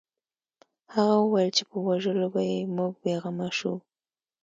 هغه وویل چې په وژلو به یې موږ بې غمه شو